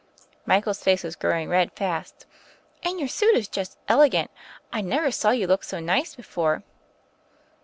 Michael's face was growing red fast. "And your suit is just elegant. I never saw you look so nice before."